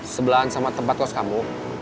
sebelahan sama tempat kos kamu